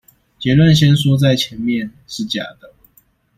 結論先說在前面：是假的